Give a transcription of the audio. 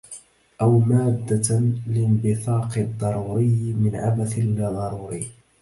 أو مادَّةً لانبثاق الضروريِّ من عبث اللا ضروريّ